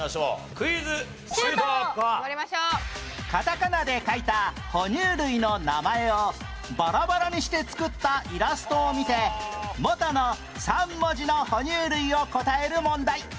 カタカナで書いたほ乳類の名前をバラバラにして作ったイラストを見て元の３文字のほ乳類を答える問題